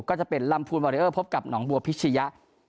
ก็จะเป็นลำพูนวอเรอร์พบกับหนองบัวพิชยะ